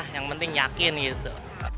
yang penting yakin gitu